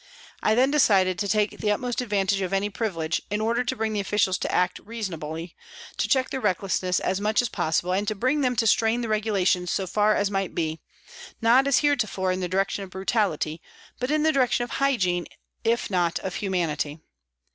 I then decided to take the utmost advantage of any 278 PRISONS AND PRISONERS privilege, in order to bring the officials to act reasonably, to check their recklessness as much as possible, and to bring them to strain the regulations so far as might be not, as heretofore, in the direction of brutality, but in the direction of hygiene, if not of humanity.